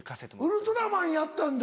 ウルトラマンやったんだ。